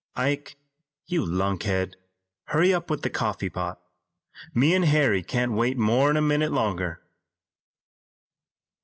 "Ike, you lunkhead, hurry up with that coffee pot. Me an' Harry can't wait more'n a minute longer."